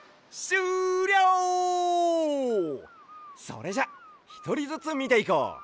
それじゃひとりずつみていこう。